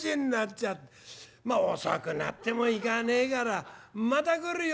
まあ遅くなってもいかねえから『また来るよ。